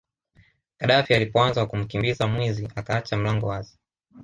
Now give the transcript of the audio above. Gadaffi alipoanza kumkimbiza mwizi akaacha mlango wazi